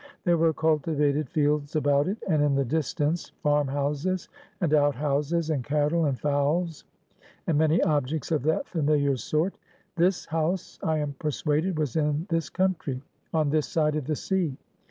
There were cultivated fields about it, and in the distance farm houses, and out houses, and cattle, and fowls, and many objects of that familiar sort. This house I am persuaded was in this country; on this side of the sea.